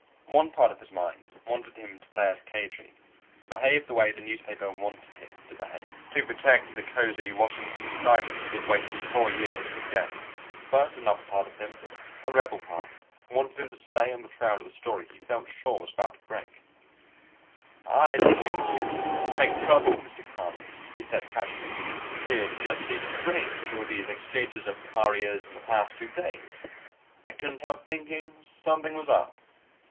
One part of his mind wanted him to play it cagey, to behave the way the newspaper wanted him to behave, to protect the cozy Washington assignment he had waited four years to get. But another part of him, a rebel part, wanted him to stay on the trail of the story he felt sure was about to break. [Illustration: The saucer was interesting, but where was the delegate?] "I didn't mean to make trouble, Mr. Conners," he said casually. "It just seemed strange, all these exchanges of couriers in the past two days. I couldn't help thinking something was up."